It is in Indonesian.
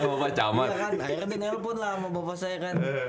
iya akhirnya dinelepon lah sama bapak saya kan